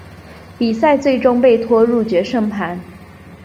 比赛最终被拖入决胜盘。